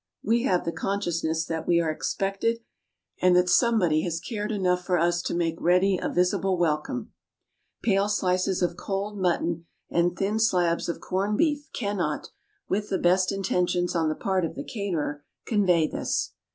We have the consciousness that we are expected and that somebody has cared enough for us to make ready a visible welcome. Pale slices of cold mutton, and thin slabs of corned beef cannot, with the best intentions on the part of the caterer, convey this.